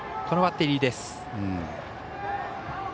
このバッテリーです。